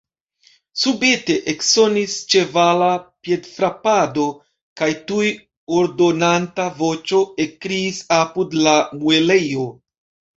Subite eksonis ĉevala piedfrapado, kaj tuj ordonanta voĉo ekkriis apud la muelejo.